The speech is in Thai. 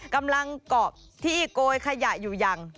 กำลังเกาะที่อีกโกยขยะอยู่ยัง